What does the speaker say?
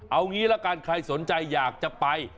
เอางี้ละกันใครสนใจอยากจะไป